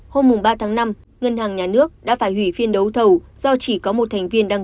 hôm ba tháng năm ngân hàng nhà nước đã phải hủy phiên đấu thầu do chỉ có một thành viên đăng